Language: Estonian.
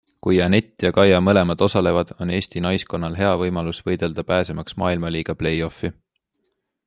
Kui Anett ja Kaia mõlemad osalevad, on Eesti naiskonnal hea võimalus võidelda pääsemaks Maailmaliiga play off'i.